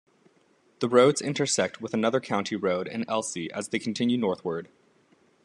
The roads intersect with another county road in Elsey as they continue northward.